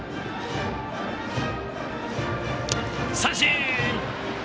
三振！